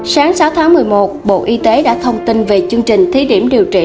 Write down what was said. sáng sáu tháng một mươi một bộ y tế đã thông tin về chương trình thí điểm điều trị